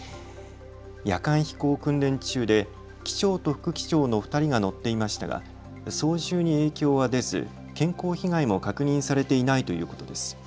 夜間飛行訓練中で機長と副機長の２人が乗っていましたが操縦に影響は出ず健康被害も確認されていないということです。